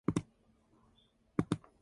Music and A.